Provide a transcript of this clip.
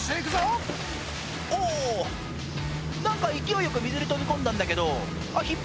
お何か勢いよく水に飛び込んだんだけどあっ